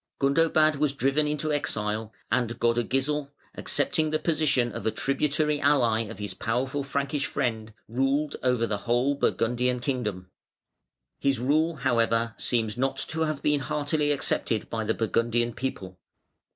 Gundobad was driven into exile and Godegisel accepting the position of a tributary ally of his powerful Frankish friend, ruled over the whole Burgundian kingdom. His rule however seems not to have been heartily accepted by the Burgundian people.